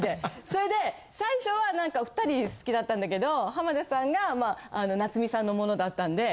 それで最初はお２人好きだったんだけど浜田さんが菜摘さんのものだったんで。